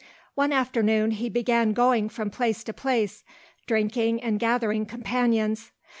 One afternoon he began going from place to place drinking and gathering companions.